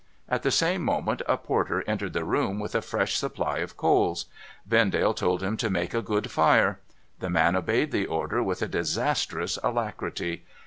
At the same moment a porter entered the room with a fresh supply of coals. Vendale told him to make a good fire. The man obeyed the order with a disastrous alacrity.